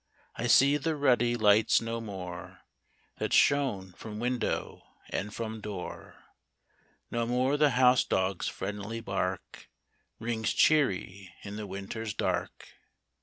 I see the ruddy lights no more That shone from window and from door, No more the house dog's friendly bark Rings cheery in the winter's dark.